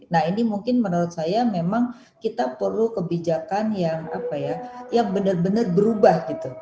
nah ini mungkin menurut saya memang kita perlu kebijakan yang benar benar berubah gitu